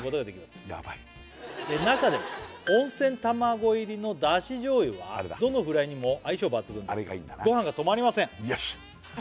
すごいヤバい中でも温泉卵入りのだし醤油はどのフライにも相性抜群でごはんが止まりませんよしっ！